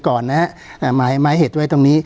การแสดงความคิดเห็น